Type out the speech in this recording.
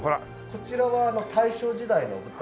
こちらは大正時代の舞台で。